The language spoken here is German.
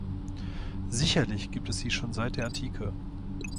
Sicherlich gibt es sie schon seit der Antike.